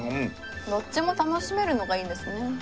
どっちも楽しめるのがいいんですね。